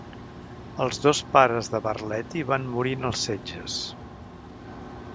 Els dos pares de Barleti van morir en els setges.